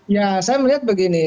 ya saya melihat begini